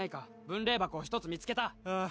分霊箱を１つ見つけたああ